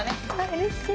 うれしい。